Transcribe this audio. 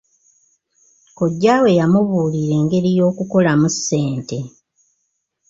Kojja we yamubuulira engeri y'okukolamu ssente.